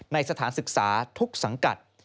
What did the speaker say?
สถานศึกษาทุกสังกัด